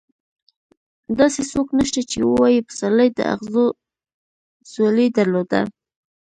داسې څوک نشته چې ووايي پسرلي د اغزو ځولۍ درلوده.